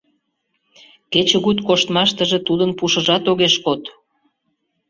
Кечыгут коштмаштыже тудын пушыжат огеш код.